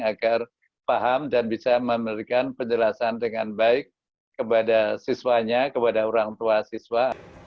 agar paham dan bisa memberikan penjelasan dengan baik kepada siswanya kepada orang tua siswa